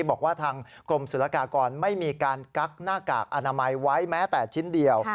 บอกว่าทางกรมศุลกากรไม่มีการกักหน้ากากอนามัยไว้แม้แต่ชิ้นเดียว